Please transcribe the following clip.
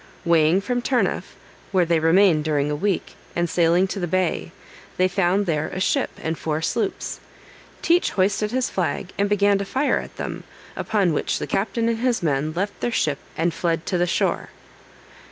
Weighing from Turniff, where they remained during a week, and sailing to the bay, they found there a ship and four sloops. Teach hoisted his flag, and began to fire at them, upon which the captain and his men left their ship and fled to the shore.